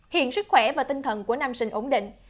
hiện sức khỏe và tinh thần của nam sinh ổn định